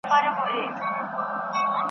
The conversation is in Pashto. هر سړی به په خپل کار پسي روان وای ,